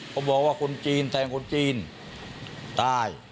เขาบอกว่าคนจีนแทงคนจีนตาย